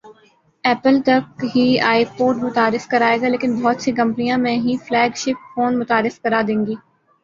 apple تک ہی iPod متعارف کرائے گا لیکن بہت سی کمپنیاں میں ہی فلیگ شپ فون متعارف کرا دیں گی